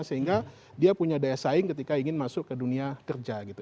sehingga dia punya daya saing ketika ingin masuk ke dunia kerja gitu